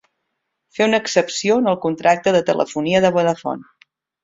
Fer una excepció en el contracte de telefonia de Vodafone.